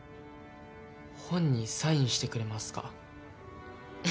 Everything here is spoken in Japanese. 本にサインしてくれますか？